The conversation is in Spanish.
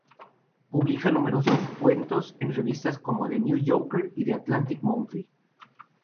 Publica numerosos cuentos en revistas como "The New Yorker" y "The Atlantic Monthly".